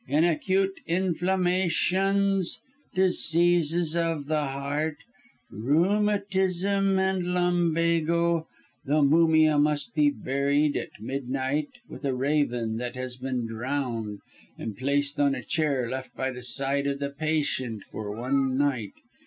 "In acute inflammations, diseases of the heart, rheumatism, and lumbago, the mumia must be buried, at midnight, with a raven that has been drowned, and placed on a chair by the left side of the patient for one night.